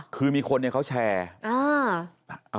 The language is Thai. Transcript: คือมีคนเนี่ยเขาแชร์